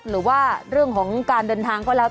หรือว่าเรื่องของการเดินทางก็แล้ว